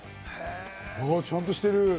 ちゃんとしてる。